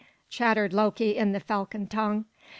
chattered Loki in the falcon tongue.